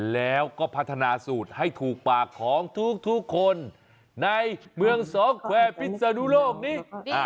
แล้วก็พัฒนาสูตรให้ถูกปากของทุกคนในเมืองสองแควร์พิศนุโลกนี้